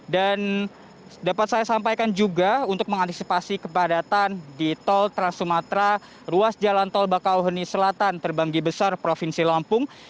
dan dapat saya sampaikan juga untuk mengantisipasi kepadatan di tol trans sumatera ruas jalan tol bakauheni selatan terbanggi besar provinsi lampung